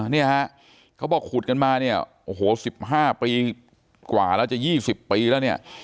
เนี่ยฮะเขาบอกขุดกันมาเนี่ยโอ้โห๑๕ปีกว่าแล้วจะ๒๐ปีแล้วเนี่ย